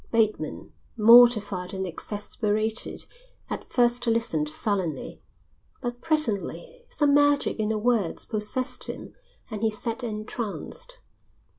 Bateman, mortified and exasperated, at first listened sullenly, but presently some magic in the words possessed him and he sat entranced.